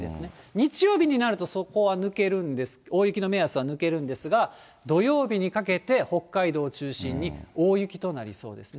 日曜日になると、そこは抜けるんです、大雪の目安は抜けるんですが、土曜日にかけて北海道中心に、大雪となりそうですね。